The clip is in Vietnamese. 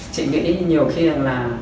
chị nghĩ nhiều khi là